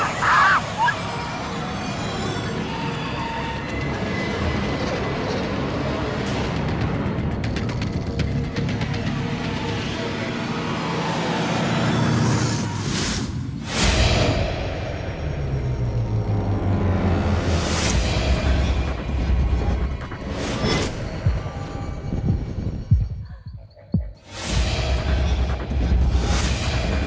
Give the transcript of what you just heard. พี่ป๋องครับผมเคยไปที่บ้านผีคลั่งมาแล้ว